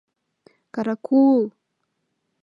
— Караку-ул!